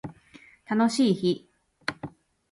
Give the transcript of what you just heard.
楽しい日